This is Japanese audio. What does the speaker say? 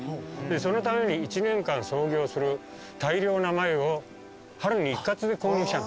そのために１年間操業する大量な繭を春に一括で購入しちゃうんですね。